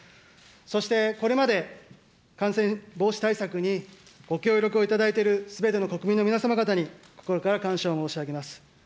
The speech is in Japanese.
そして、これまで感染防止対策にご協力をいただいているすべての国民の皆様方に、心から感謝を申し上げます。